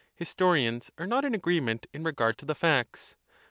Historians are not in agreement in regard to the facts.